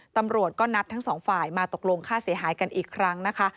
ตำรวจก็นัดทั้งสองฝ่ายมาตกลงค่าเสียหายกันอีกครั้งนะคะ